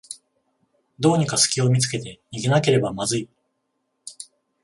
どうにかすきを見つけて逃げなければまずい